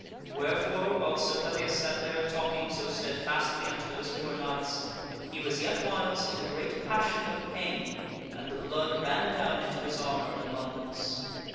Wherefore, while Sir Pellias sat there talking so steadfastly unto those four knights, he was yet whiles in a great passion of pain, and the blood ran down into his armor in abundance.